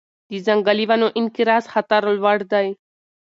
د ځنګلي ونو انقراض خطر لوړ دی.